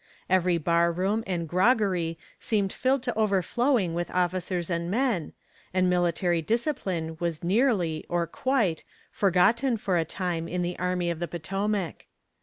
Every bar room and groggery seemed filled to overflowing with officers and men, and military discipline was nearly, or quite, forgotten for a time in the army of the Potomac.